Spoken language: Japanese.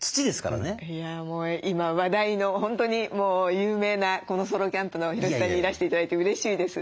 いやもう今話題の本当にもう有名なソロキャンプのヒロシさんにいらして頂いてうれしいです。